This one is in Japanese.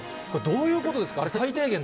これ、どういうことですか。